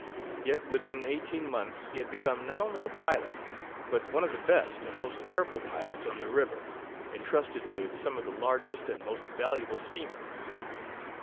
Yet within eighteen months he had become not only a pilot, but one of the best and most careful pilots on the river, intrusted with some of the largest and most valuable steamers.